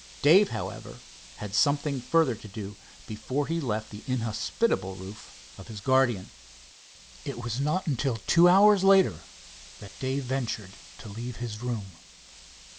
Dave, however, had something further to do before he left the inhospitable roof of his guardian. It was not until two hours later that Dave ventured to leave his room.